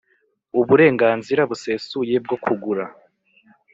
Uburenganzira busesuye bwo kugura